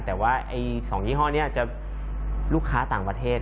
แต่ว่า๒ยี่ห้อนี้จะลูกค้าต่างประเทศ